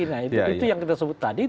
nah itu yang kita sebut tadi